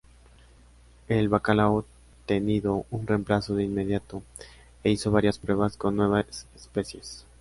El bacalao tenido un reemplazo de inmediato, e hizo varias pruebas con nuevas especies.